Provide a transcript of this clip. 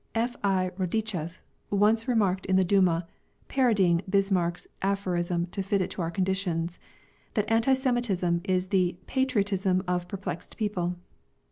F.I. Rodichev once remarked in the Duma, parodying Bismarck's aphorism to fit it to our conditions, that anti Semitism is "the patriotism of perplexed people."